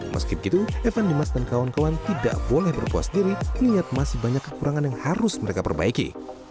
meskipun evan jemas dan kawan kawan tidak boleh berpuas diri melihat masih banyak kekurangan yang harus mereka perbaiki